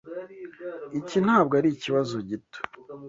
Iki ntabwo ari ikibazo gito.